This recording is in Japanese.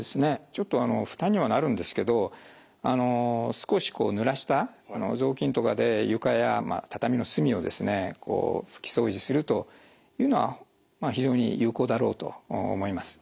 ちょっと負担にはなるんですけど少しぬらした雑巾とかで床や畳の隅をですね拭き掃除するというのは非常に有効だろうと思います。